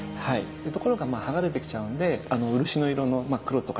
ところが剥がれてきちゃうので漆の色の黒とか茶色いね